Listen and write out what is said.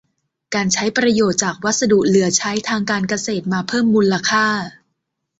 การใช้ประโยชน์จากวัสดุเหลือใช้ทางการเกษตรมาเพิ่มมูลค่า